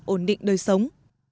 ổn định đời sống